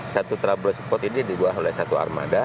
satu trouble spot ini dibuah oleh satu armada